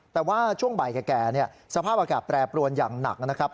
แต่ว่าช่วงบ่ายแก่สภาพอากาศแปรปรวนอย่างหนักนะครับ